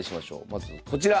まずこちら。